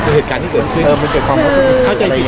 เหตุการณ์ที่เกิดขึ้น